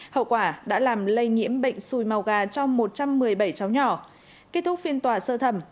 hậu quả đã làm lây nhiễm bệnh xùi màu gà cho một trăm một mươi bảy cháu nhỏ kết thúc phiên tòa sơ thẩm